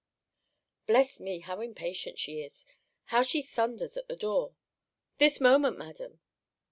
Bless me! how impatient she is! How she thunders at the door! This moment, Madam!